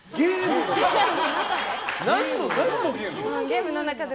ゲームの中で。